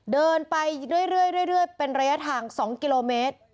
เดินไปเรื่อยเป็นระยะทาง๒กิโลเมตร